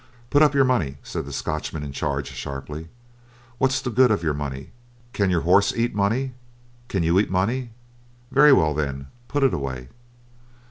"Put up your money," said the Scotchman in charge, sharply. "What's the good of your money? Can your horse eat money? Can you eat money? Very well, then, put it away."